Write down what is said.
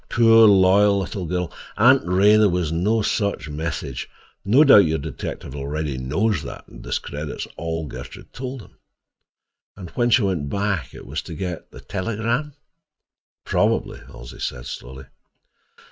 "Poor loyal little girl! Aunt Ray, there was no such message. No doubt your detective already knows that and discredits all Gertrude told him." "And when she went back, it was to get—the telegram?" "Probably," Halsey said slowly.